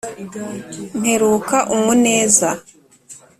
mperuka umuneza